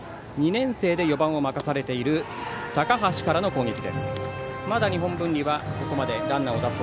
２年生で４番を任されている高橋からの攻撃です。